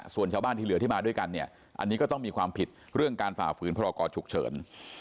ส่วนชาวบ้านที่เหลือที่มาด้วยกันเนี่ยอันนี้ก็ต้องมีความผิดเรื่องการฝ่าฝืนพรกรฉุกเฉิน